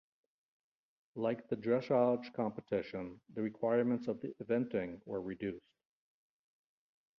Like the dressage competition, the requirements of the eventing were reduced.